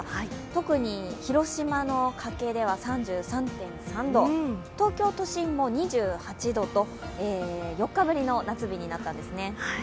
特に広島の加計では３３度、東京都心も２８度と、４日ぶりの夏日になったんですね。